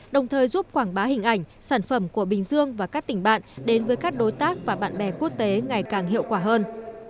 đồng thời giúp quảng bá hình ảnh sản phẩm của bình dương và các tỉnh bạn đến với các đối tác và bạn bè quốc tế ngày càng hiệu quả hơn